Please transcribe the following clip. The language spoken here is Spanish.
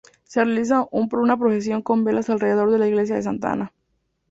Se realiza una procesión con velas alrededor de la Iglesia de Santa Ana.